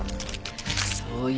そう。